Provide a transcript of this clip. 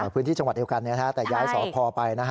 พื้นที่จังหวัดเดียวกันแต่ย้ายสพไป